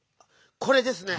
「これ」ですね。